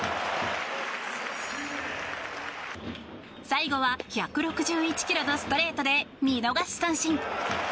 最後は１６１ｋｍのストレートで見逃し三振。